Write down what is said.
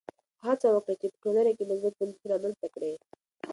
هڅه وکړه چې په ټولنه کې مثبت بدلون رامنځته کړې.